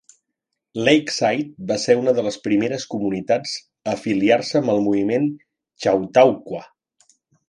Lakeside va ser una de les primeres comunitats a afiliar-se amb el moviment Chautauqua.